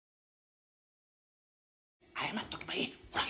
謝っとけばいい。